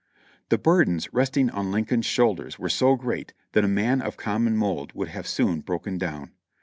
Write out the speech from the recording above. The burdens resting on Lincoln's shoulders were so great that a man of common mold would have soon broken down.